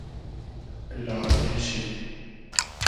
لازې شی